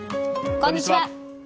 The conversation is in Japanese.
こんにちは。